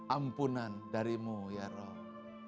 ampunan darimu ya rabb